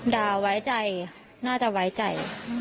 ดาไว้ใจน่าจะไว้ใจ